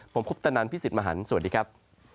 ผมพุทธนันทร์พี่สิทธิ์มหันธ์สวัสดีครับ